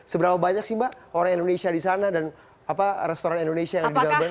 seberapa banyak sih mbak orang indonesia disana dan restoran indonesia yang ada di melbourne